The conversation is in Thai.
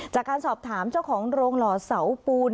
จากการสอบถามเจ้าของโรงหล่อเสาปูน